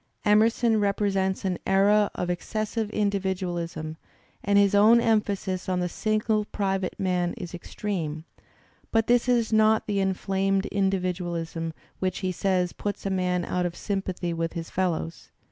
Emer son represents an era of excessive individualism, and his own emphasis on the single private man is extreme, but this is not the ^'inflamed individualism" which, he says, puts a man out of sympathy with his fellows.